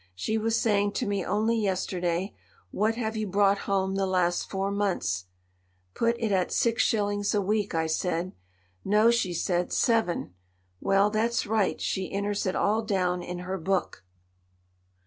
She was saying to me only yesterday: 'What have you brought home the last four months?' 'Put it at six shillings a week,' I said. 'No,' she said, 'seven.' Well, that's right—she enters it all down in her book."